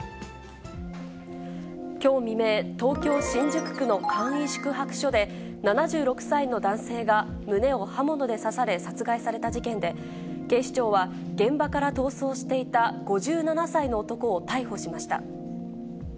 きょう未明、東京・新宿区の簡易宿泊所で、７６歳の男性が胸を刃物で刺され、殺害された事件で、警視庁は、現場から逃走していた５７歳の男を逮捕しました。